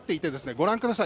ご覧ください